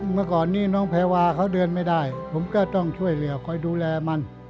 เมื่อก่อนนี้น้องแพรวาเขาเดินไม่ได้ผมก็ต้องช่วยเหลือคอยดูแลมัน